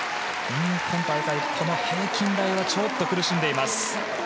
今大会、平均台はちょっと苦しんでいます。